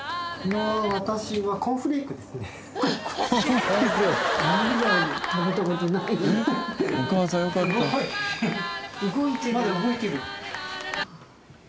まだ動いてる。